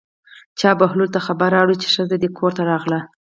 چا بهلول ته خبر راوړ چې ښځه دې کور ته راغله.